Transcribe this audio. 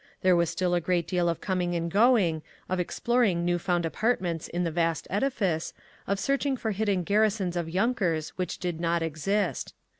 There was still a great deal of coming and going, of exploring new found apartments in the vast edifice, of searching for hidden garrisons of yunkers which did not exist.